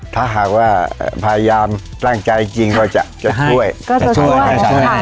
ถ้าหากว่าพยายามตั้งใจจริงเราจะช่วย